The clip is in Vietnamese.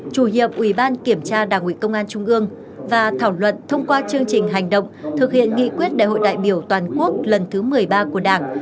chủ nhiệm ủy ban kiểm tra đảng ủy công an trung ương và thảo luận thông qua chương trình hành động thực hiện nghị quyết đại hội đại biểu toàn quốc lần thứ một mươi ba của đảng